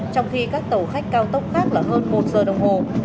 trong khi các tàu khách cao tốc khác là hơn một giờ đồng hồ